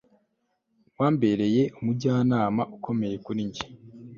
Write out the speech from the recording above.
Wambereye umujyanama ukomeye kuri njye